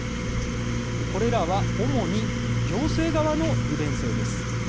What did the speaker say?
これらは主に行政側の利便性です。